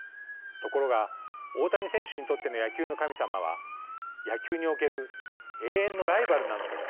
ところが大谷選手にとっての野球の神様は野球における永遠のライバルなのです。